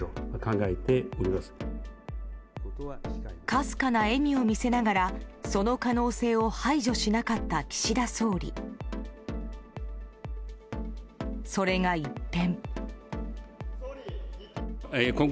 かすかな笑みを見せながらその可能性を排除しなかったそれが一変。